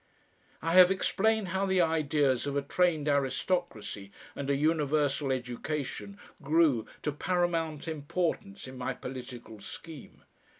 I have explained how the ideas of a trained aristocracy and a universal education grew to paramount importance in my political scheme.